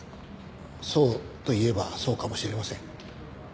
そうといえばそうかもしれません。